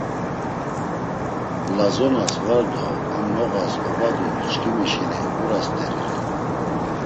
Lazonas var do am noğas obadu, çkimi şeni ğura steri ren.